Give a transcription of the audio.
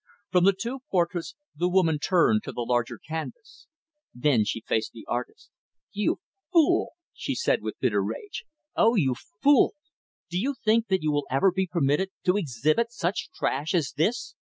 From the two portraits, the woman turned to the larger canvas. Then she faced the artist. "You fool!" she said with bitter rage. "O you fool! Do you think that you will ever be permitted to exhibit such trash as this?"